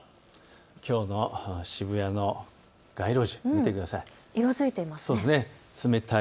きょうの渋谷の街路樹、見てください。